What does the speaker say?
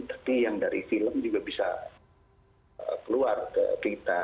tapi yang dari film juga bisa keluar ke kita